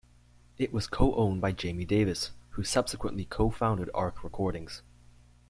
It was co-owned by Jamie Davis, who subsequently co-founded Ark Recordings.